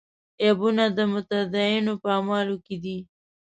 عیبونه د متدینو په اعمالو کې دي.